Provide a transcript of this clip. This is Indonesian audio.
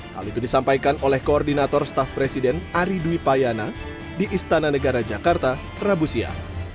hal itu disampaikan oleh koordinator staff presiden ari dwi payana di istana negara jakarta rabusia